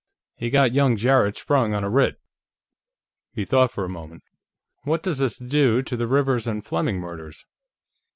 He got young Jarrett sprung on a writ." He thought for a moment. "What does this do to the Rivers and Fleming murders?"